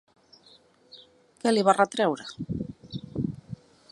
Què li va retreure?